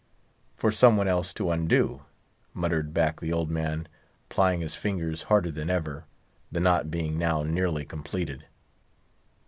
"For some one else to undo," muttered back the old man, plying his fingers harder than ever, the knot being now nearly completed.